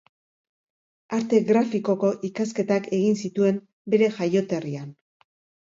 Arte grafikoko ikasketak egin zituen bere jaioterrian.